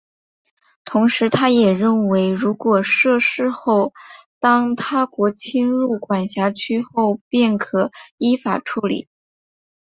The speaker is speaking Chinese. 同时他也认为如果设市后当他国侵入管辖区后便可依法处理。